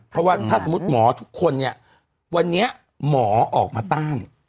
เพราะว่าถ้าสมมุติหมอทุกคนเนี่ยวันนี้หมอออกมาต้าน